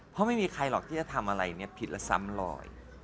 เพราะไม่มีใครหรอกที่จะทำอะไรเนี่ยผิดและซ้ำลอย